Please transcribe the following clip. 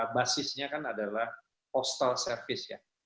basisnya kan adalah postall service ya